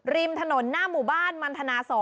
ริมถนนหน้าหมู่บ้านมันธนา๒